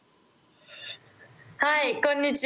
はいこんにちは。